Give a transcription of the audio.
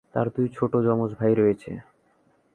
তার দুই ছোট যমজ ভাই রয়েছে।